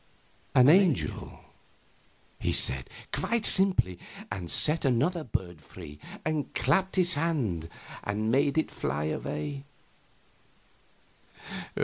"An angel," he said, quite simply, and set another bird free and clapped his hands and made it fly away.